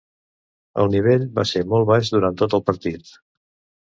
El nivell va ser molt baix durant tot el partit.